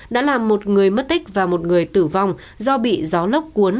đã làm một người mất tích và một người tử vong do bị gió lốc cuốn